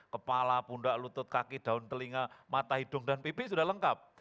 kepala pundak lutut kaki daun telinga mata hidung dan pipi sudah lengkap